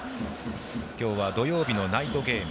今日は土曜日のナイトゲーム。